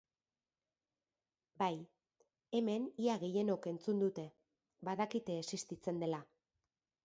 Bai, hemen ia gehienok entzun dute, badakite existitzen dela.